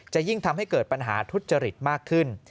จะยิ่งทำให้เกิดปัญหาทุจริตมากขึ้น